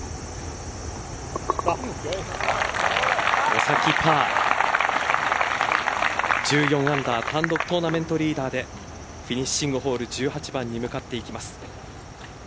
お先パー１４アンダー単独トーナメントリーダーでフィニッシングホール１８番に向かっていきます。